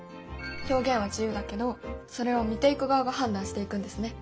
表現は自由だけどそれを見ていく側が判断していくんですね。